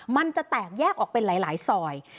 มันจะแตกแยกออกเป็นหลายซอย